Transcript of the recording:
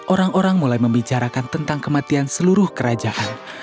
orang orang mulai membicarakan tentang kematian seluruh kerajaan